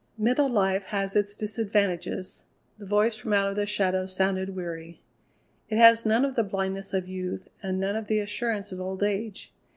"Middle life has its disadvantages." The voice from out the shadows sounded weary. "It has none of the blindness of youth and none of the assurance of old age.